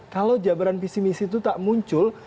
kalau jabaran visi misi itu tak muncul